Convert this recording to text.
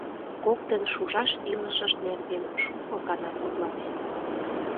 Коктын шушаш илышышт нерген шуко гана мутланеныт.